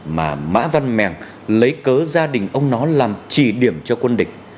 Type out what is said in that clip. mà mã văn mèng lấy cớ gia đình ông nó làm chỉ điểm cho quân địch